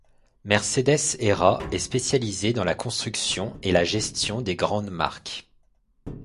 Mercedes Erra est spécialisée dans la construction et la gestion des grandes marques.